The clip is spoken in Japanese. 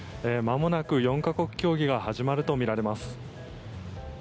まもなく４か国協議が始まるとみられます。